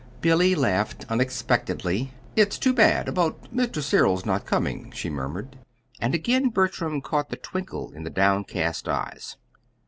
Billy laughed unexpectedly. "It's too bad about Mr. Cyril's not coming," she murmured. And again Bertram caught the twinkle in the downcast eyes.